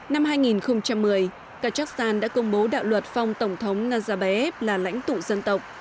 năm hai nghìn một mươi kazakhstan đã công bố đạo luật phong tổng thống nazarbayev là lãnh tụ dân tộc